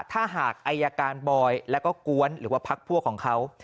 ถ้าหากอายการบอยแล้วก็กวนหรือว่าพักพวกของเขา